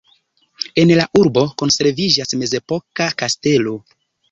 En la urbo konserviĝas mezepoka kastelo.